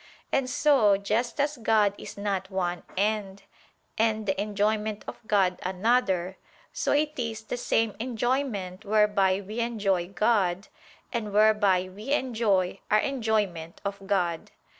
And so, just as God is not one end, and the enjoyment of God, another: so it is the same enjoyment whereby we enjoy God, and whereby we enjoy our enjoyment of God.